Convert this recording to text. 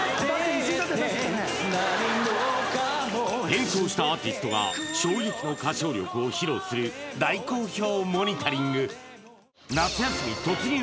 変装したアーティストが衝撃の歌唱力を披露する大好評モニタリング夏休み突入